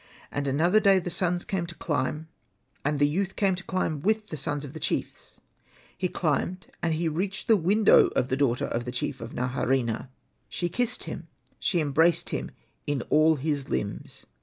And another day the sons came to climb, and the youth came to climb with the sons of the chiefs. He climbed, and he reached the window of the daughter of the chief of Naharaina. She kissed him, she embraced him in all his limbs.